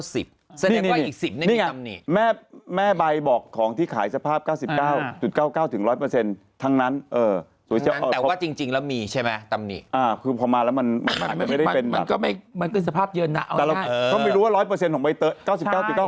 แสดงว่าอีก๑๐นั้นมีตำหนินี่ไงแม่ใบบอกของที่ขายสภาพ๙๙๙๙ถึง๑๐๐